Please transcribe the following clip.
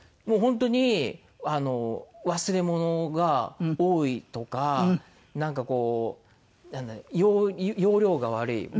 もう本当に忘れ物が多いとかなんかこう要領が悪い。